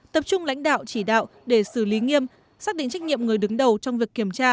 tập trung lãnh đạo chỉ đạo để xử lý nghiêm xác định trách nhiệm người đứng đầu trong việc kiểm tra